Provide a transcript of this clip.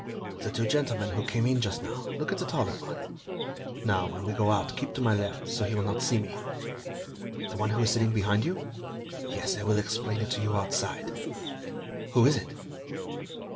"The two gentlemen who came in just now.... Look at the taller one ... now, when we go out, keep to my left, so he will not see me." "The one who is sitting behind you?" "Yes. I will explain it to you, outside." "Who is it?"